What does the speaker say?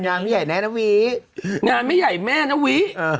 งานไม่ใหญ่แน่นะวิงานไม่ใหญ่แม่นะวิ